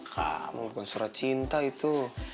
kamu bukan surat cinta itu